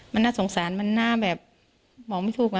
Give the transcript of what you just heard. มันน่าสงสารมันน่าแบบบอกไม่ถูก